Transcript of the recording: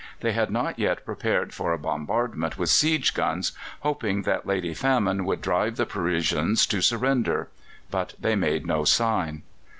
They had not yet prepared for a bombardment with siege guns, hoping that Lady Famine would drive the Parisians to surrender. But they made no sign.